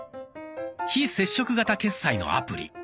非接触型決済のアプリ。